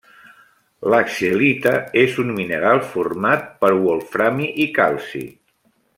La scheelita és un mineral format per wolframi i calci.